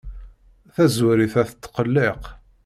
Taẓrawit-a tettqelliq.